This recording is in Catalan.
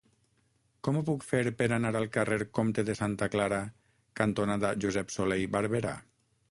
Com ho puc fer per anar al carrer Comte de Santa Clara cantonada Josep Solé i Barberà?